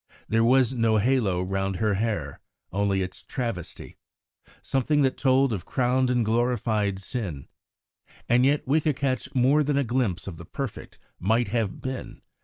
There was no halo round her hair, only its travesty something that told of crowned and glorified sin; and yet we could catch more than a glimpse of the perfect "might have been."